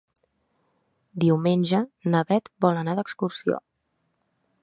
Diumenge na Beth vol anar d'excursió.